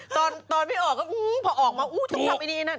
ตอนพี่ออกก็พอออกมาอู้วต้องขับไอ้นี่น่ะ